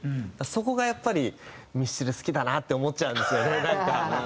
そこがやっぱりミスチル好きだなって思っちゃうんですよねなんか。